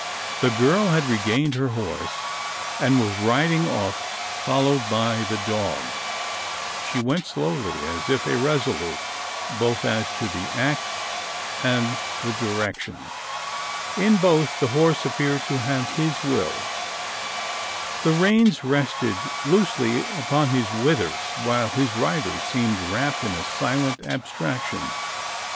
The girl had regained her horse; and was riding off, followed by the dog. She went slowly as if irresolute both as to the act and the direction. In both, the horse appeared to have his will: the reins rested loosely upon his withers; while his rider seemed wrapped in a silent abstraction.